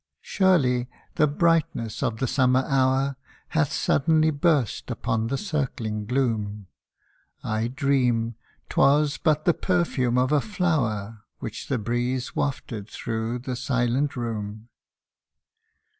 Surely the brightness of the summer hour Hath suddenly burst upon the circling gloom ! I dream ; 'twas but the perfume of a flower, Which the breeze wafted through the silent room.